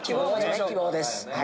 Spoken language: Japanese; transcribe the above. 希望です。